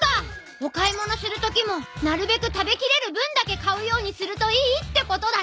お買い物するときもなるべく食べきれる分だけ買うようにするといいってことだね。